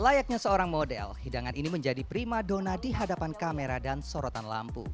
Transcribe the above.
layaknya seorang model hidangan ini menjadi prima dona di hadapan kamera dan sorotan lampu